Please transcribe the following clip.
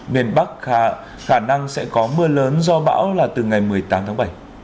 miền bắc khả năng sẽ có mưa lớn do bão là từ ngày một mươi tám tháng bảy